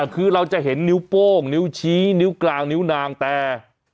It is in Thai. คือเราจะเห็นนิ้วโป้งนิ้วชี้นิ้วกลางนิ้วนางแต่